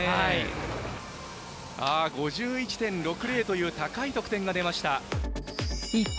５１．６０という高い得点が出ました。